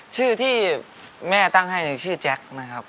ชื่อที่แม่ตั้งให้ชื่อแจ็คนะครับ